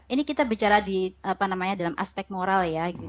ini kita bicara dalam aspek moral